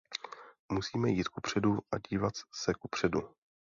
Musíme jít kupředu a dívat se kupředu.